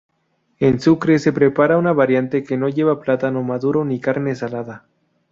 En Sucre se prepara una variante que no lleva plátano maduro ni carne salada.